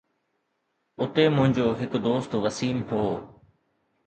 اتي منهنجو هڪ دوست وسيم هو